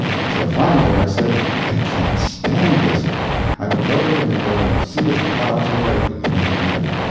So, finally, I said: I can't stand this; I will go to the window and see if the clouds are breaking, at any rate.